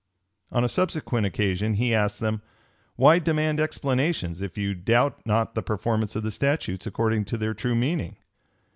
[*] On a subsequent occasion, he asked them, "Why demand explanations, if you doubt not the performance of the statutes according to their true meaning?